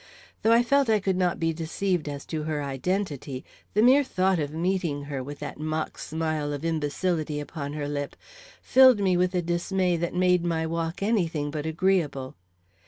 Though I felt I could not be deceived as to her identity, the mere thought of meeting her, with that mock smile of imbecility upon her lip, filled me with a dismay that made my walk any thing but agreeable.